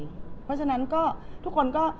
เพราะฉะนั้นก็ทุกคนก็